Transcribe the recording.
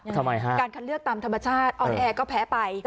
ทำไมฮะการคัดเลือกตามธรรมชาติออนแอร์ก็แพ้ไป